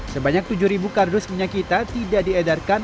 sebanyak tujuh kardus minyak kita tidak diedarkan